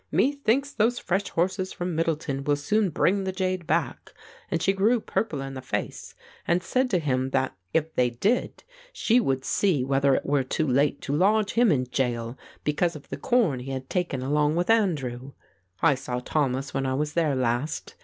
'Methinks those fresh horses from Middleton will soon bring the jade back,' and she grew purple in the face and said to him that, if they did, she would see whether it were too late to lodge him in gaol because of the corn he had taken along with Andrew. I saw Thomas when I was there last.